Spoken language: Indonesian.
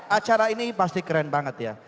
acara ini pasti keren banget ya